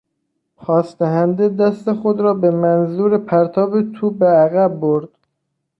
پاس دهنده دست خود را به منظور پرتاب توپ به عقب برد.